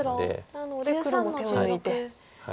なので黒も手を抜いて。